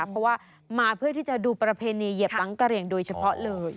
เพราะว่ามาเพื่อที่จะดูประเพณีเหยียบหลังกะเหลี่ยงโดยเฉพาะเลย